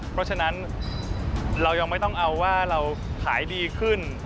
เพราะฉะนั้นเรายังไม่ต้องเอาว่าเราขายดีขึ้น